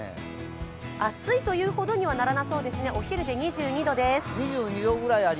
暑いというほどにはならなそうですね、お昼で２２度です。